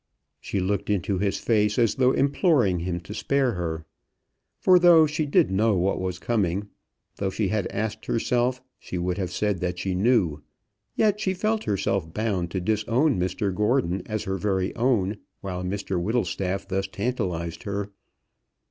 She looked into his face, as though imploring him to spare her. For though she did know what was coming, though had she asked herself, she would have said that she knew, yet she felt herself bound to disown Mr Gordon as her very own while Mr Whittlestaff thus tantalised her.